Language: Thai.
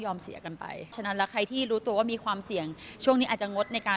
ด้วยนี่จะเล่าให้ฟังนะคะ